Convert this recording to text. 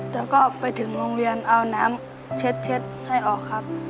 แล้วก็ไปถึงโรงเรียนเอาน้ำเช็ดให้ออกครับ